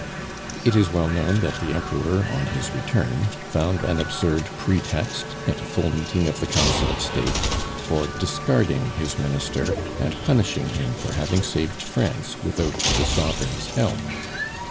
It is well known that the Emperor on his return found an absurd pretext, at a full meeting of the Council of State, for discarding his Minister and punishing him for having saved France without the Sovereign's help.